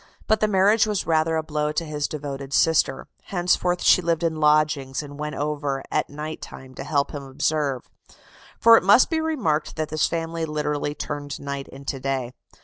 But the marriage was rather a blow to his devoted sister: henceforth she lived in lodgings, and went over at night time to help him observe. For it must be remarked that this family literally turned night into day.